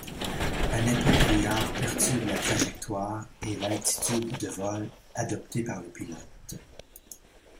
Un épais brouillard perturbe la trajectoire et l'altitude de vol adoptées par le pilote.